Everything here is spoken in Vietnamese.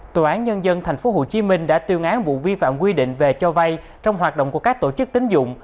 tòa án nhân dân tp hcm đã tuyên án vụ vi phạm quy định về cho vay trong hoạt động của các tổ chức tính dụng